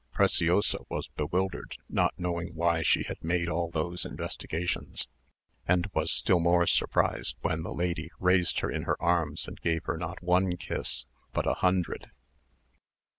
Preciosa was bewildered, not knowing why she had made all those investigations, and was still more surprised when the lady raised her in her arms, and gave her not one kiss, but a hundred.